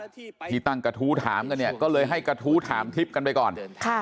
ที่ตั้งกระทู้ถามกันเนี่ยก็เลยให้กระทู้ถามทิพย์กันไปก่อนค่ะ